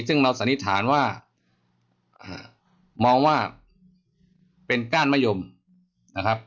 ซึ่งเราสันนิษฐานว่ามองว่าเป็นก้านมะยมนะครับ